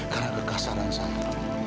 karena kekasaran saya